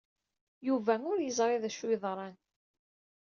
Yuba ur yeẓri d acu ay yeḍran.